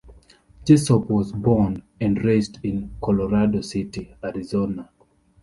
Jessop was born and raised in Colorado City, Arizona.